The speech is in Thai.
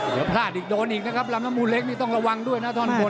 เดี๋ยวพลาดอีกโดนอีกนะครับลำน้ำมูลเล็กนี่ต้องระวังด้วยนะท่อนบน